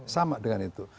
sama dengan itu